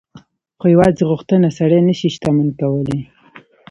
خو يوازې غوښتنه سړی نه شي شتمن کولای.